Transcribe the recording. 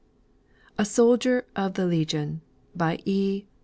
A SOLDIER OF THE LEGION BY E.